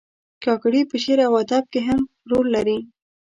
کاکړي په شعر او ادب کې هم رول لري.